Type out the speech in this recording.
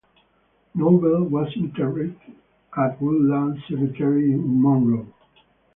Noble was interred at Woodland Cemetery in Monroe.